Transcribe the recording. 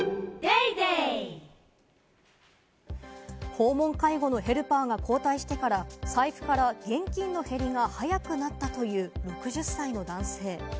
訪問介護のヘルパーが交代してから、財布から現金の減りが早くなったという６０代の男性。